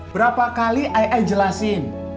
berapa kali ai jelasin